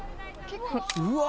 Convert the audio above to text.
うわ！